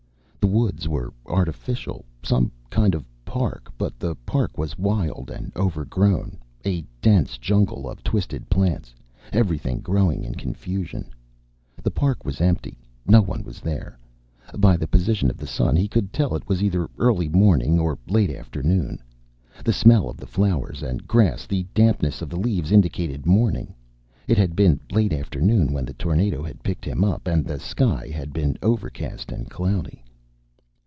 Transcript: The woods were artificial. Some kind of park. But the park was wild and overgrown. A dense jungle of twisted plants. Everything growing in confusion. The park was empty. No one was there. By the position of the sun he could tell it was either early morning or late afternoon. The smell of the flowers and grass, the dampness of the leaves, indicated morning. It had been late afternoon when the tornado had picked him up. And the sky had been overcast and cloudy.